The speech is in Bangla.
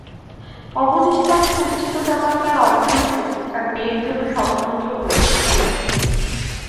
অবনীশ তাঁর সঞ্চিত টাকার প্রায় অর্ধাংশ তাঁর মেয়ের জন্যে স্বতন্ত্র করে রেখেছিলেন।